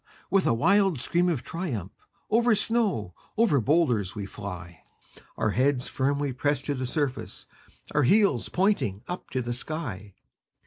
with a wild scream of triumph, Over snow, over boulders we fly, Our heads firmly pressed to the surface, Our heels pointing up to the sky!